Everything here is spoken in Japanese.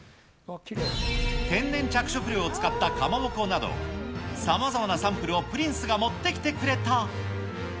天然着色料を使ったかまぼこなど、さまざまなサンプルをプリンスが持ってきてくれた。